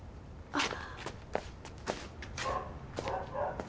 あっ。